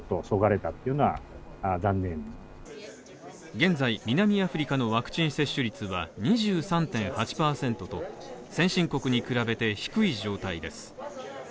現在南アフリカのワクチン接種率は２３．８％と先進国に比べて低い状態です。